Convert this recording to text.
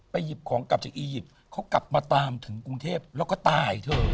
หยิบของกลับจากอียิปต์เขากลับมาตามถึงกรุงเทพแล้วก็ตายเถอะ